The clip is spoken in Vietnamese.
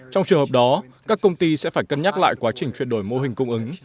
trong trường hợp đó các công ty sẽ phải cân nhắc lại quá trình chuyển đổi mô hình cung ứng